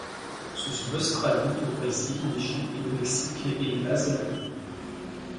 Ce sont l'Australie, le Brésil, l'Égypte, le Mexique, les Pays-Bas et la Pologne.